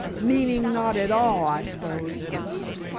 "Meaning not at all, I s'pose."